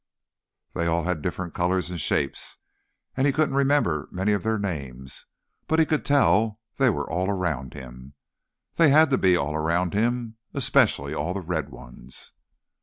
They had all different colors and shapes, and he couldn't remember many of their names, but he could tell they were all around him. They had to be all around him. Especially all the red ones.